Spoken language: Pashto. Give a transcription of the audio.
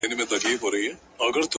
• پر خپل قول درېدل خوی د مېړه دی,